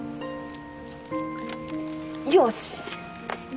よし！